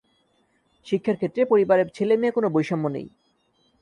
শিক্ষার ক্ষেত্রে পরিবারে ছেলে মেয়ে কোনো বৈষম্য নেই।